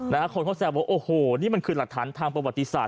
และคนเขาแทรกว่ามันนี่มันคือหลักฐานทางประวัติศาสตร์